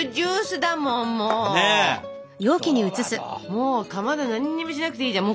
もうかまど何もしなくていいじゃん。